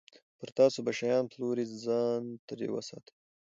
پر تاسو به شیان پلوري، ځان ترې وساتئ.